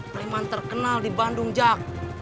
preman terkenal di bandung jack